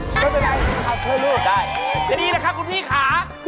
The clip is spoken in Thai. จับผื้นจาด